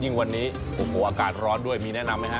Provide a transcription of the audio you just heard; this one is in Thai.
วันนี้โอ้โหอากาศร้อนด้วยมีแนะนำไหมฮะ